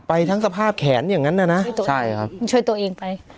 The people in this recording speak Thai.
ทั้งสภาพแขนอย่างนั้นน่ะนะใช่ครับช่วยตัวเองไป